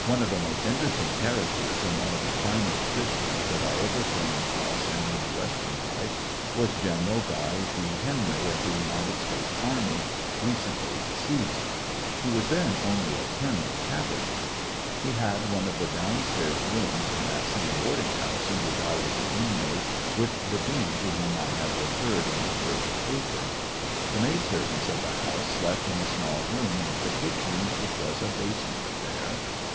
One of the most interesting characters and Atthemu^de one of the finest Christians that I ever came ^^^^^^^ 163 HiecoUections of a across in my Western life was Gteneral Guy V. Henry of the United States army, recently deceased. He was then only a colonel of cav alry. He had one of the down stairs rooms in that same boarding house in which I was an inmate with the dean to whom I have re ferred in the first paper. The maid servants of the house slept in a small room off the kitchen, which was a basement affair.